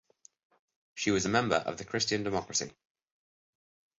She was member of the Christian Democracy.